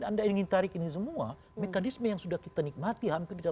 tapi kalau anda ingin tarik ini semua mekanisme yang sudah kita nikmati hampir tidak